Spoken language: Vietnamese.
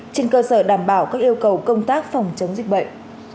trên cơ sở đảm bảo các yêu cầu công tác phòng chống dịch bệnh